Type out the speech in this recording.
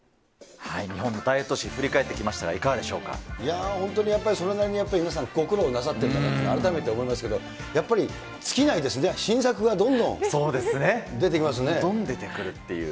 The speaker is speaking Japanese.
日本のダイエット史振り返っいやー、本当にやっぱり、それなりにやっぱり皆さん、ご苦労なさってるんだなと改めて思いますけれども、やっぱり尽きないですね、どんどん出てくるという。